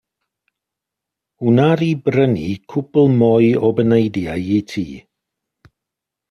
Wna i brynu cwpwl mwy o baneidiau i ti.